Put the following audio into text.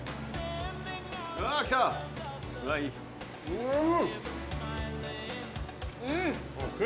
うん。